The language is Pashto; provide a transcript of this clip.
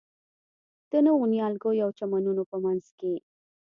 د نویو نیالګیو او چمنونو په منځ کې.